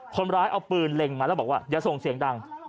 คนร้ายเอาปืนเล็งมาแล้วบอกว่าอย่าส่งเสียงดัง